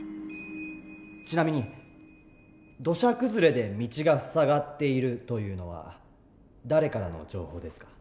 ちなみに土砂崩れで道が塞がっているというのは誰からの情報ですか？